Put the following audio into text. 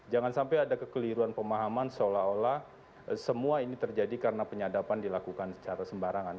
jangan sampai ada kekeliruan pemahaman seolah olah semua ini terjadi karena penyadapan dilakukan secara sembarangan